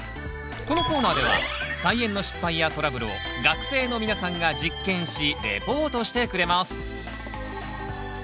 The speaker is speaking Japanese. このコーナーでは菜園の失敗やトラブルを学生の皆さんが実験しレポートしてくれます。